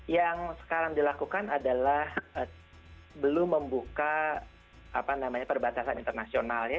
yang sekarang dilakukan adalah belum membuka perbatasan internasionalnya